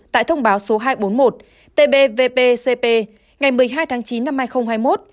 tại thông báo số hai trăm bốn mươi một tbvcp ngày một mươi hai tháng chín năm hai nghìn hai mươi một